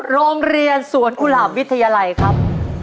โรงเรียนสวนกุหลาบวิทยาลัยครับ